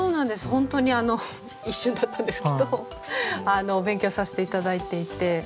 本当に一瞬だったんですけどお勉強させて頂いていて。